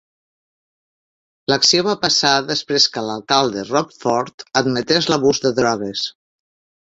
L'acció va passar després que l'alcalde Rob Ford admetés l'abús de drogues.